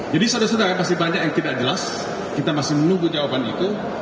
jadi saudara saudara pasti banyak yang tidak jelas kita masih menunggu jawaban itu